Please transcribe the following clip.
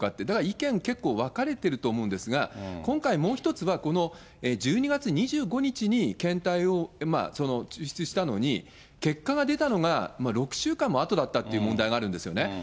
だから意見、結構分かれてると思うんですが、今回もう一つは、この１２月２５日に検体を提出したのに、結果が出たのが６週間もあとだったという問題があるんですよね。